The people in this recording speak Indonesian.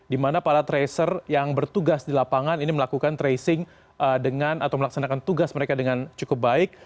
di mana para tracer yang bertugas di lapangan ini melakukan tracing dengan atau melaksanakan tugas mereka dengan cukup baik